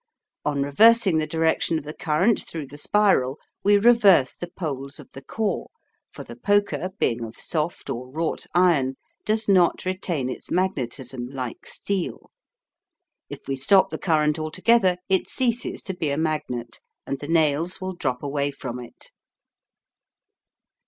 On reversing the direction of the current through the spiral we reverse the poles of the core, for the poker being of soft or wrought iron, does not retain its magnetism like steel. If we stop the current altogether it ceases to be a magnet, and the nails will drop away from it.